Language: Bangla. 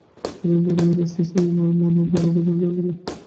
এতদিন পরে এই প্রশ্ন শুনিয়া মার মনে বড়ো অভিমান জন্মিল।